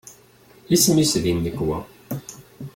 Isem-is di nnekwa?